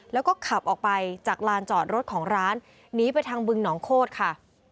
แล้วก็ขับออกไปจากลานจอดรถของร้านหนีไปทางบึงหนองโคตรค่ะ